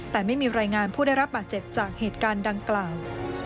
แต่ไม่มีรายงานผู้ได้รับบาดเจ็บจากเหตุการณ์ดังกล่าว